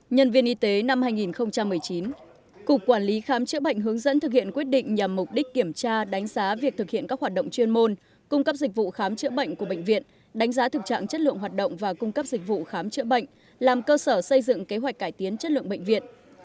nhân viên y tế năm hai nghìn một mươi chín cục quản lý khám chữa bệnh hướng dẫn thực hiện quyết định nhằm mục đích kiểm tra đánh giá việc thực hiện các hoạt động chuyên môn cung cấp dịch vụ khám chữa bệnh của bệnh viện đánh giá thực trạng chất lượng hoạt động và cung cấp dịch vụ khám chữa bệnh làm cơ sở xây dựng kế hoạch cải tiến chất lượng bệnh viện